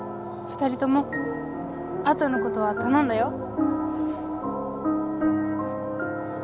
２人ともあとのことはたのんだよ。